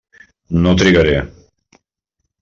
No trigaré.